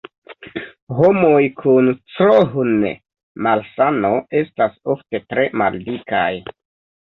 Homoj kun Crohn-malsano estas ofte tre maldikaj.